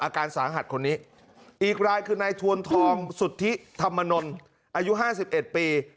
อาการสาหัสคนนี้อีกรายคือนายทวนทองสุธิธรรมนลอายุ๕๑ปี